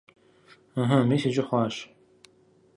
Ыхьы, мис иджы хъуащ!